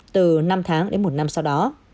từ năm tháng đến một năm sau đó